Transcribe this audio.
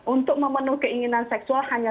untuk memenuhi keinginan seksual hanya